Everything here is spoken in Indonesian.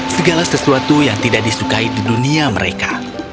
segala sesuatu yang tidak disukai di dunia mereka